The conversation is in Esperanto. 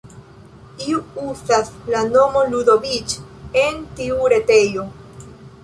Iu uzas la nomon Ludoviĉ en tiu retejo.